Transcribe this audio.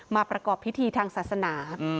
ประกอบพิธีทางศาสนา